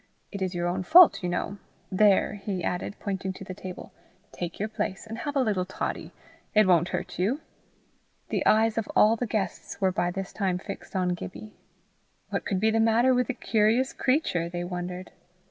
It is your own fault, you know. There," he added, pointing to the table; "take your place, and have a little toddy. It won't hurt you." The eyes of all the guests were by this time fixed on Gibbie. What could be the matter with the curious creature? they wondered.